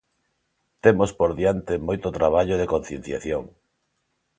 Temos por diante moito traballo de concienciación.